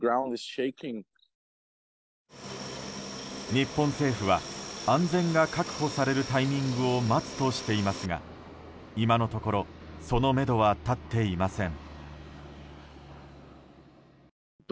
日本政府は、安全が確保されるタイミングを待つとしていますが今のところそのめどは立っていません。